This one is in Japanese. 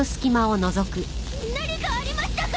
何かありましたか？